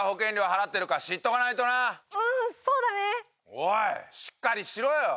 おいしっかりしろよ！